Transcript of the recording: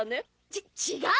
ち違う！